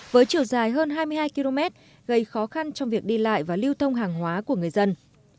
với chiều dài hơn hai mươi hai km gây khó khăn trong việc đi lại và lưu thông hàng hóa của người dân